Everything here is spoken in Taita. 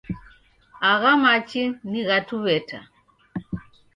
Agha machi ni gha Tuw'eta